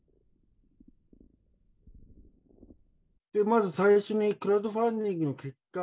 まず最初にクラウドファンディングの結果。